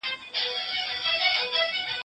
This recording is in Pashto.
پخواني شاعران د ملي اوزانو په مانا پوهېدل.